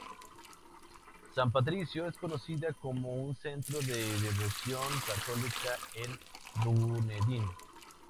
San Patricio es conocida como un centro de devoción católica en Dunedin.